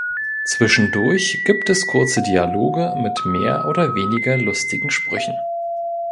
Zwischendurch gibt es kurze Dialoge mit mehr oder weniger lustigen Sprüchen.